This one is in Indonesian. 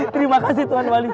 terima kasih tuan wali